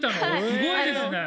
すごいですね！